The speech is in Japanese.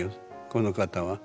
この方は。